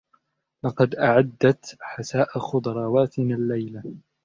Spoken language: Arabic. لقد أعدّت حساء خضروات الليلة.